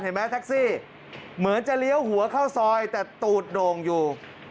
แท็กซี่เหมือนจะเลี้ยวหัวเข้าซอยแต่ตูดโด่งอยู่